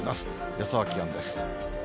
予想気温です。